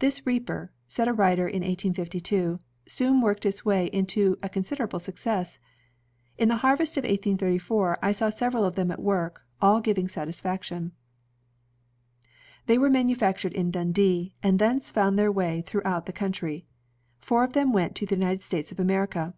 "This reaper," said a writer in 1852, " soon worked its way to a considerable success. ..! In the harvest of 1834 I saw several of them at work, all giving satisfaction. They were manufactured in Dimdee, and thence foimd their way throughout the coimtry. Four of them went to the United States of America.